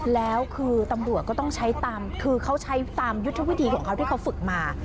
แล้วคือตำรวจก็ต้องใช้ตามคือเขาใช้ตามยุทธวิธีของเขาที่เขาฝึกมา